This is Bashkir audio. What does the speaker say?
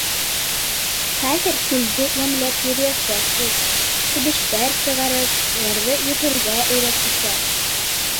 Хәҙер күлде йәмләп йөрөйәсәк ул. Себештәр сығарып, уларҙы йөҙөргә өйрәтәсәк!